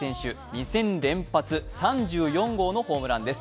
２戦連発３４号のホームランです。